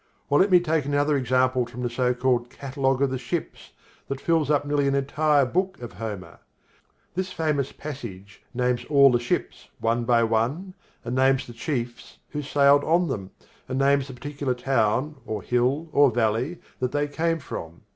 Or let me take another example from the so called Catalogue of the Ships that fills up nearly an entire book of Homer. This famous passage names all the ships, one by one, and names the chiefs who sailed on them, and names the particular town or hill or valley that they came from.